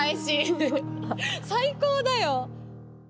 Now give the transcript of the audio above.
最高だよ。